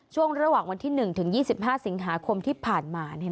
ช่วงระหว่างวันที่๑ถึง๒๕สิงหาคมที่ผ่านมา